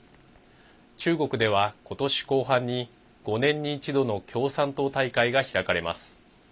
中国では、ことし後半に５年に一度の共産党大会が開かれます。